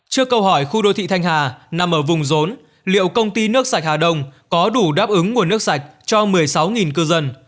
trước câu hỏi khu đô thị thanh hà nằm ở vùng rốn liệu công ty nước sạch hà đông có đủ đáp ứng nguồn nước sạch cho một mươi sáu cư dân